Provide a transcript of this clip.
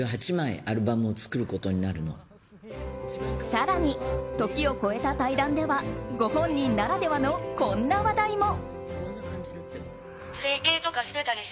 更に、時を越えた対談ではご本人ならではの、こんな話題も。